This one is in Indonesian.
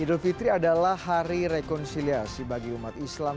idul fitri adalah hari rekonsiliasi bagi umat islam